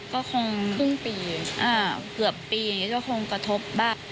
ก็คงเกือบปีก็คงกระทบบ้าง